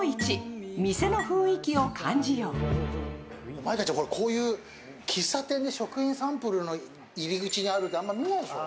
舞香ちゃん、こういう喫茶店で食品サンプルが入り口にあるの、あまり見ないでしょう？